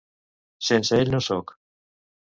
Sense ell no soc.